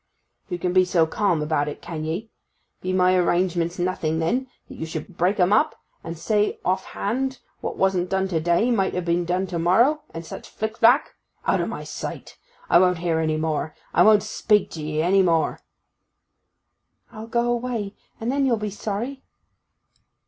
'You can be so calm about it, can ye? Be my arrangements nothing, then, that you should break 'em up, and say off hand what wasn't done to day might ha' been done to morrow, and such flick flack? Out o' my sight! I won't hear any more. I won't speak to 'ee any more.' 'I'll go away, and then you'll be sorry!